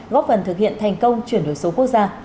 góp phần thực hiện thành công chuyển đổi số quốc gia